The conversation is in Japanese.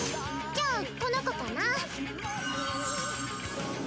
じゃあこの子かな。